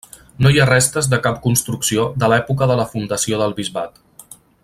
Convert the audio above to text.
No hi ha restes de cap construcció de l'època de la fundació del bisbat.